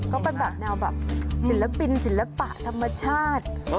ก็เป็นแบบแนวแบบศิลปินศิลปะธรรมชาติ